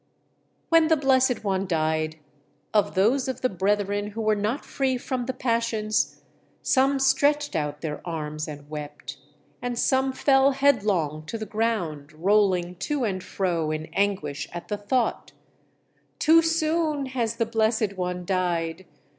When the Blessed One died, of those of the brethren who were not free from the passions, some stretched out their arms and wept, and some fell headlong to the ground, rolling to and fro in anguish at the thought: "Too soon has the Blessed One died!